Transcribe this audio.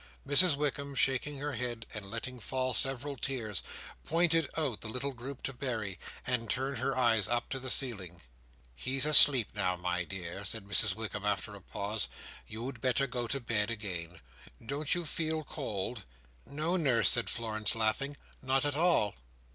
Mrs Wickam shaking her head, and letting fall several tears, pointed out the little group to Berry, and turned her eyes up to the ceiling. "He's asleep now, my dear," said Mrs Wickam after a pause, "you'd better go to bed again. Don't you feel cold?" "No, nurse," said Florence, laughing. "Not at all."